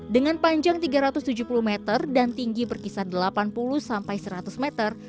dengan panjang tiga ratus tujuh puluh meter dan tinggi berkisar delapan puluh sampai seratus meter